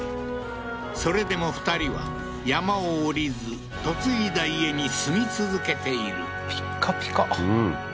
それでも２人は山を下りず嫁いだ家に住み続けているピッカピカ